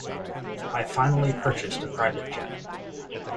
I finally purchased a private jet.